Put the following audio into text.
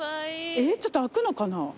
えっちょっと開くのかな？